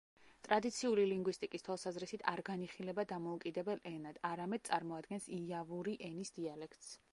ტრადიციული ლინგვისტიკის თვალსაზრისით არ განიხილება დამოუკიდებელ ენად, არამედ წარმოადგენს იავური ენის დიალექტს.